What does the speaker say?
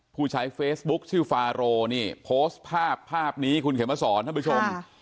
ผู้ใช้เฟซบุ๊คชื่อฟาโรนี่โพสต์ภาพภาพนี้คุณเขมสอนท่านผู้ชม